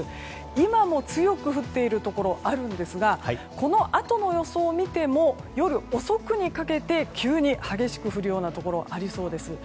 今も強く降っているところあるんですがこのあとの予想を見ても夜遅くにかけて急に激しく降るようなところありそうです。